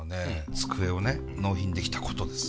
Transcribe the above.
机をね納品できたことです。